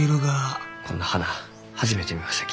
こんな花初めて見ましたき。